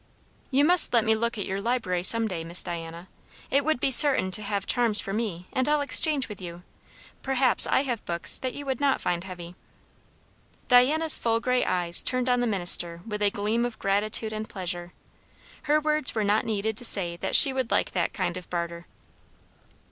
"You must let me look at your library some day, Miss Diana. It would be certain to have charms for me; and I'll exchange with you. Perhaps I have books that you would not find heavy." Diana's full grey eyes turned on the minister with a gleam of gratitude and pleasure. Her words were not needed to say that she would like that kind of barter.